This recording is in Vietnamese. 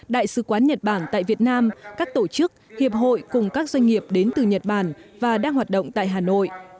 đại sứ quán nhật bản tại việt nam các tổ chức hiệp hội cùng các doanh nghiệp đến từ nhật bản và đang hoạt động tại hà nội